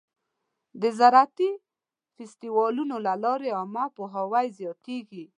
د زراعتي فستیوالونو له لارې عامه پوهاوی زیاتېږي.